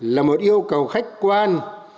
là một yêu cầu khách quan